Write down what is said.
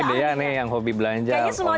apalagi dia nih yang hobi belanja online shopping